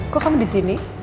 kok kamu di sini